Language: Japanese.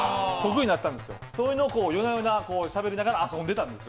そういうのを夜な夜なしゃべりながら遊んでたんですよ。